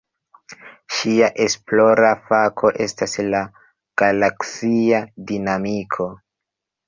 Ŝia esplora fako estas la galaksia dinamiko.